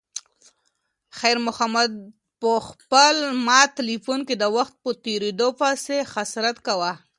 خیر محمد په خپل مات تلیفون کې د وخت په تېریدو پسې حسرت کاوه.